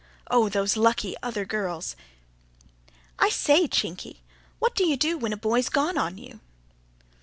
Oh, those lucky other girls! "I say, Chinky, what do you do when a boy's gone on you?"